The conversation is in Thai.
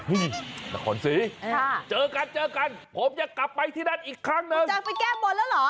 อีกครั้งหนึ่งคุณจะไปแก้บบนแล้วหรอ